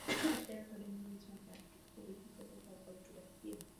Tento pokrm v sobě vykazuje vlivy tradičních kuchyní portugalských kolonií.